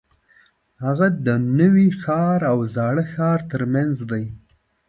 هغه د نوي ښار او زاړه ښار ترمنځ دی.